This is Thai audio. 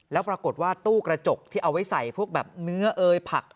แล้วปรากฏว่าตู้กระจกที่เอาไว้ใส่พวกแบบเนื้อเอยผัก